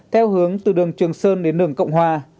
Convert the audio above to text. theo hướng từ đường trường sơn đến đường cộng hòa